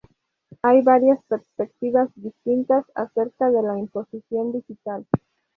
Hay varias perspectivas distintas acerca de la imposición digital.